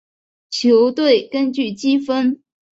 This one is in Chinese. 球队根据积分。